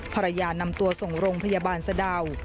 นำตัวส่งโรงพยาบาลสะดาว